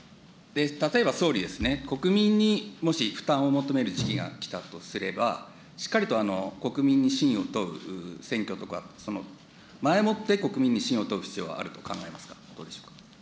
例えば総理ですね、国民にもし負担を求める時期が来たとすれば、しっかりと国民に信を問う、選挙とか、前もって国民に信を問う必要はあると考えますか、どうでしょうか。